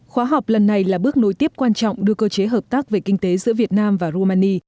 khóa học lần này là bước nối tiếp quan trọng đưa cơ chế hợp tác về kinh tế giữa việt nam và rumani